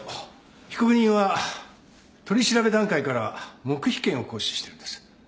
被告人は取り調べ段階から黙秘権を行使しているんです。